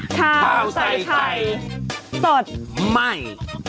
ข้าวใส่ไข่สดใหม่